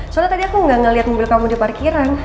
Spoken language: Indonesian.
soalnya tadi aku gak ngeliat mobil kamu di parkiran